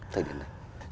thời điểm này